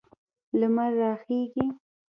لمر راخیږي